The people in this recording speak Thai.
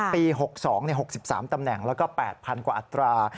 ปี๖๒๖๓ตำแหน่งแล้วก็๘๐๐กว่าอัตรา